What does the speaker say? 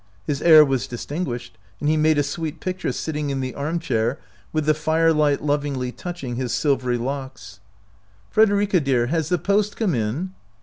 His air was distinguished, and he made a sweet picture sitting in the arm chair with the firelight lovingly touching his silvery locks. 55 OUT OF BOHEMIA " Frederica dear, has the post come in?